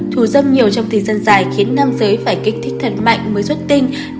thù dâm nhiều trong thời gian dài khiến nam giới phải kích thích thật mạnh mới xuất tinh